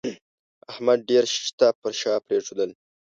احمد ډېر شته پر شا پرېښول